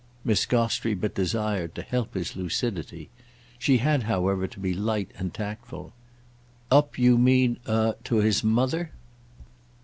Miss Gostrey but desired to help his lucidity. She had however to be light and tactful. "Up, you mean—a—to his mother?"